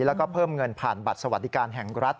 แล้วก็เพิ่มเงินผ่านบัตรสวัสดิการแห่งรัฐ